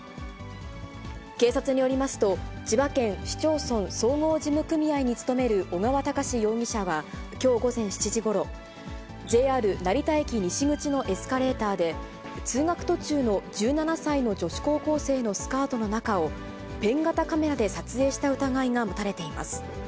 警察によりますと、千葉県市町村総合事務組合に勤める小川隆史容疑者は、きょう午前７時ごろ、ＪＲ成田駅西口のエスカレーターで、通学途中の１７歳の女子高校生のスカートの中を、ペン型カメラで撮影した疑いが持たれています。